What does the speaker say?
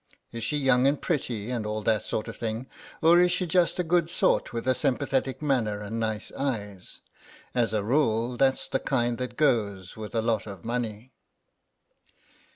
"Is she young and pretty and all that sort of thing, or is she just a good sort with a sympathetic manner and nice eyes? As a rule that's the kind that goes with a lot of money."